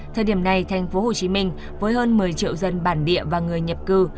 thời điểm này tp hcm với hơn một mươi triệu dân bản địa và người nhập cư